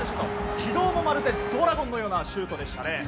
軌道もドラゴンのようなシュートでしたね。